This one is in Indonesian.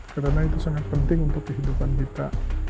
karena itu sangat penting untuk kehidupan kita